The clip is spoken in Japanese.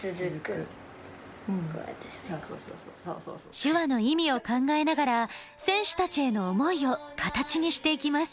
手話の意味を考えながら選手たちへの思いを形にしていきます。